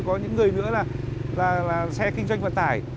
có những người nữa là xe kinh doanh vận tải